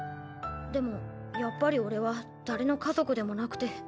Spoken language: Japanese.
でもやっぱり俺は誰の家族でもなくて。